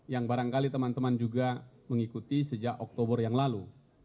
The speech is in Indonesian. yang barangkali teman teman juga mengikuti sejak oktober yang lalu